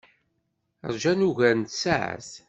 Ṛjan ugar n tsaɛet.